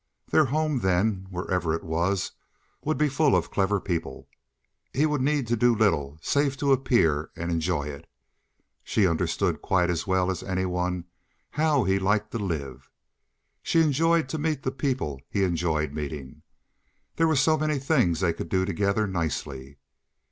Their home then, wherever it was, would be full of clever people. He would need to do little save to appear and enjoy it. She understood quite as well as any one how he liked to live. She enjoyed to meet the people he enjoyed meeting. There were so many things they could do together nicely.